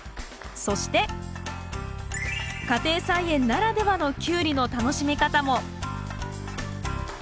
そして家庭菜園ならではのキュウリの楽しみ方も。